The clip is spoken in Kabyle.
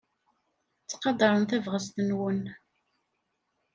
Ttqadaren tabɣest-nwen.